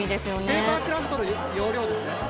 ペーパークラフトの要領ですね。